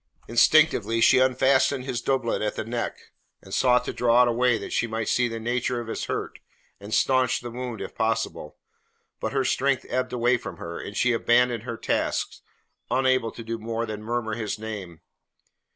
Instinctively she unfastened his doublet at the neck, and sought to draw it away that she might see the nature of his hurt and staunch the wound if possible, but her strength ebbed away from her, and she abandoned her task, unable to do more than murmur his name.